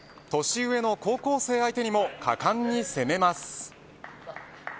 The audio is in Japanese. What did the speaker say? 年上の高校生相手にも果敢に攻めます。